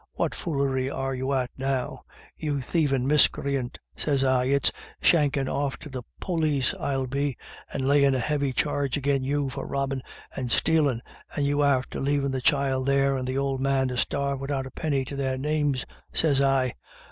' What foolery are you at now ?'' You thievin' miscreant,' sez I, 'it's shankin' off to the polis I'll be, and layin' a heavy charge agin you for robbin' and 3io IRISH IDYLLS. stealing and you after lavin' the child there and the ould man to starve widout a penny to their names/ sez I.